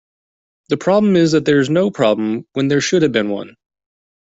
The problem is that there is no problem when there should have been one.